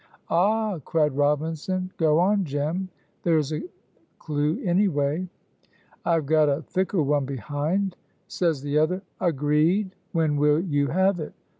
"Ah!" cried Robinson. "Go on, Jem there is a clew anyway." "I have got a thicker one behind. Says the other, 'Agreed! when will you have it?'